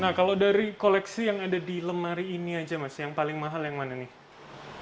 nah kalau dari koleksi yang ada di lemari ini aja mas yang paling mahal yang mana nih